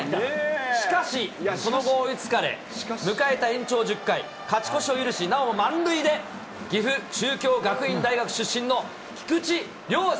しかし、その後で、迎えた延長１０回、勝ち越しを許し、なおも満塁で岐阜・中京学院大学出身の菊池涼介。